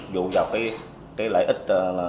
dù vào cái lợi ích